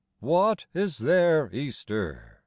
What is their Easter ?